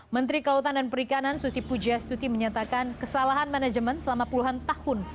menteri kelautan dan perikanan susi pujastuti menyatakan kesalahan manajemen selama puluhan tahun